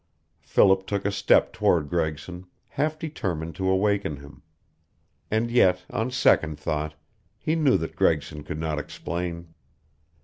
Philip took a step toward Gregson, half determined to awaken him. And yet, on second thought, he knew that Gregson could not explain.